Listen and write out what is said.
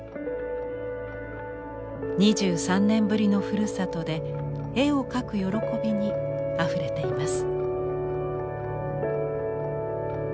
２３年ぶりのふるさとで絵を描く喜びにあふれています。